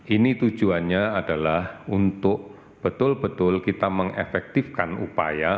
ini tujuannya adalah untuk betul betul kita mengefektifkan upaya